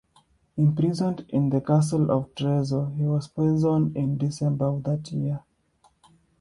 Imprisoned in the castle of Trezzo, he was poisoned in December of that year.